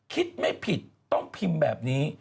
คิดไม่ผิดต้องพิมพ์แบบนี้